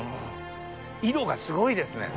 色がすごいですね。